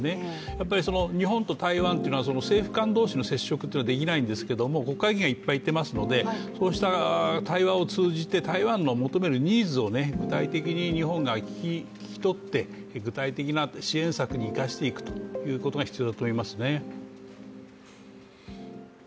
やっぱり日本と台湾というのは政府間の接触というのはできないですけど国会議員はいっぱい行ってますのでそうした対話を通じて、台湾が求めるニーズを具体的に日本が聞き取って、具体的な支援策に生かしていくことが必要だと思いますね。